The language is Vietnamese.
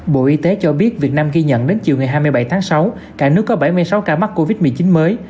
bộ y tế cho biết việt nam ghi nhận đến chiều ngày hai mươi bảy tháng sáu cả nước có bảy mươi sáu ca mắc covid một mươi chín mới